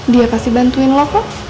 dia kasih bantuin lo kok